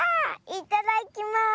いただきます！